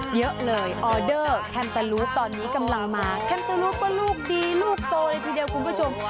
หนึ่งสองสามสี่เยอะเลยตอนนี้กำลังมาก็ลูกดีลูกโตเลยทีเดียวคุณผู้ชม